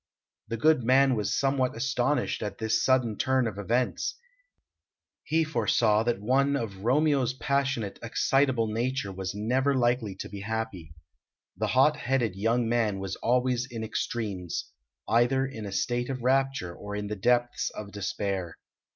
The good man was somewhat astonished at this sudden turn of events; he foresaw that one of Romeo's passionate, excitable nature was never likely to be happy; the hot headed young man was always in extremes, either in a state of rapture or in the depths of despair.